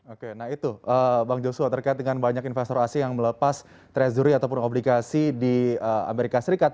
oke nah itu bang joshua terkait dengan banyak investor asing yang melepas treasury ataupun obligasi di amerika serikat